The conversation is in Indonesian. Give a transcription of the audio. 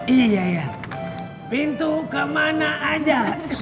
iya ya pintu kemana aja